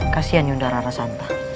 kasian yudhara rasantang